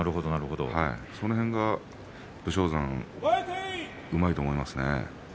その点、武将山うまいと思いますね。